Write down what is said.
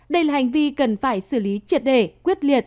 đây là hành vi cần phải xử lý triệt đề quyết liệt